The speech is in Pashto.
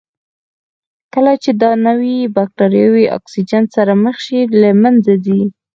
کله چې دا نوعه بکټریاوې اکسیجن سره مخ شي له منځه ځي.